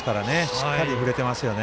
しっかり振れていますよね。